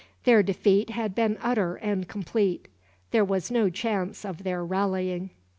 Their defeat had been utter and complete. There was no chance of their rallying.